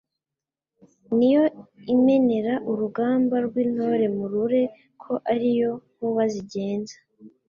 Ni yo imenera urugamba rw' intoreMurore ko ari yo nkuba zigenza